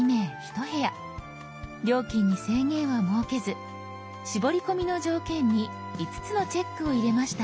料金に制限は設けず絞り込みの条件に５つのチェックを入れました。